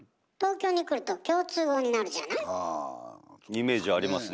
イメージありますね。